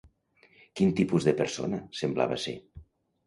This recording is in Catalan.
Quin tipus de persona semblava ser?